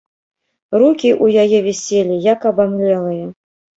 Рукі ў яе віселі, як абамлелыя.